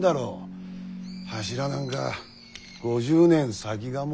柱なんか５０年先がも。